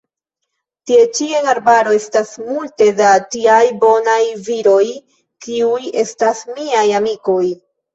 Tie ĉi en arbaro estas multe da tiaj bonaj viroj, ĉiuj estas miaj amikoj!